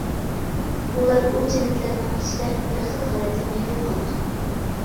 ئۇلار ئۇ جەننەتلەرنىڭ ئىچىدە بىر خىل ھالەتتە مەڭگۈ قالىدۇ.